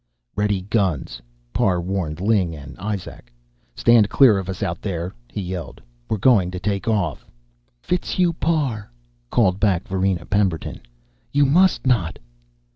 "Ready, guns," Parr warned Ling and Izak. "Stand clear of us, out there!" he yelled. "We're going to take off." "Fitzhugh Parr," called back Varina Pemberton, "you must not."